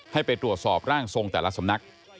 ให้ไปตรวจสอบร่างทรงแต่ละสำนัก